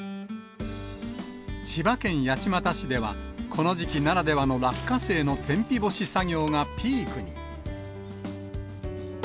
千葉県八街市では、この時期ならではの落花生の天日干し作業がピークに。